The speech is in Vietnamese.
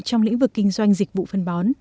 trong lĩnh vực kinh doanh dịch vụ phân bón